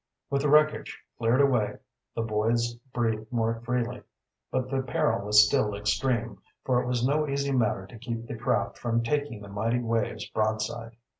With the wreckage cleared away the boys breathed more freely. But the peril was still extreme, for it was no easy matter to keep the craft from taking the mighty waves broadside.